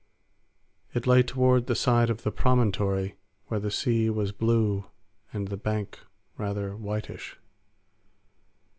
It lay toward the side of the promontory where the sea was blue and the bank rather whitish.